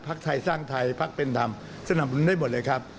พรรคไทยสร้างไทยพรรคเป็นดำสนับหนุนได้หมดเลยครับ